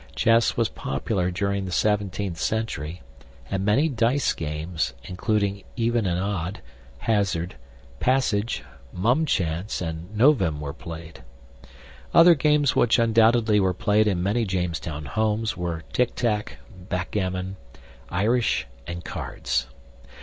Chess was popular during the 17th century, and many dice games, including even and odd, hazard, passage, mumchance, and novem were played. Other games which undoubtedly were played in many Jamestown homes were tick tack, backgammon, Irish, and cards.